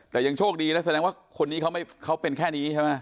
แต่ยังโชคดีนะแสดงว่าคนนี้เขาเป็นแค่นี้ใช่ไหม